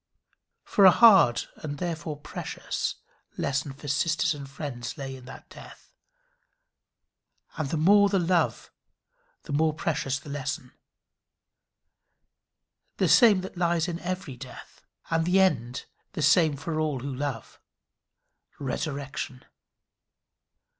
For a hard and therefore precious lesson for sisters and friends lay in that death, and the more the love the more precious the lesson the same that lies in every death; and the end the same for all who love resurrection.